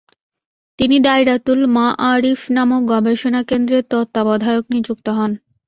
তিনি দাইরাতুল মাআরিফ নামক গবেষণা কেন্দ্রের তত্ত্বাবধায়ক নিযুক্ত হন।